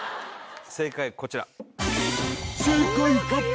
正解こちら。